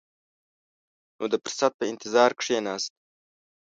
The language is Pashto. نو د فرصت په انتظار کښېناست.